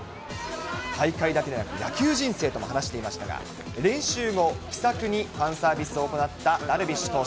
大会だけでなく、野球人生とも話していましたが、練習後、気さくにファンサービスを行ったダルビッシュ投手。